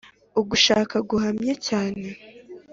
ugushaka guhamye cyane,